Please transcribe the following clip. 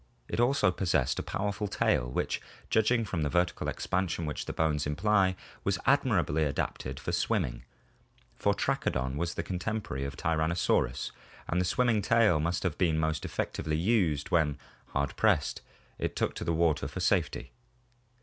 It also possessed a powerful tail which, judging from the vertical expansion which the bones imply, was admirably adapted for swimming; for Trachodon was the contemporary of Tyrannosaurus and the swimming tail must have been most effectively used when, hard pressed, it took to the water for safety.